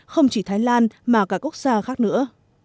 không chỉ thái lan mà cả quốc gia khác nữa